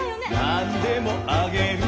「何でもあげる」